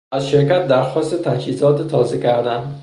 از شرکت درخواست تجهیزات تازه کردن